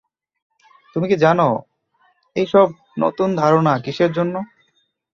তুমি কি জানো, এই সব নতুন ধারণা কীসের জন্য?